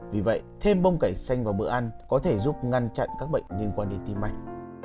vì vậy thêm bông cải xanh vào bữa ăn có thể giúp ngăn chặn các bệnh liên quan đến tim mạch